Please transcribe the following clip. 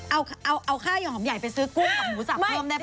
เอาค่าอย่างหอมใหญ่ไปซื้อกุ้งกับหมูสับพร้อมได้ปะ